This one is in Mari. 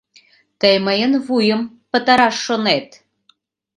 Тый мыйын вуйым пытараш шонет!..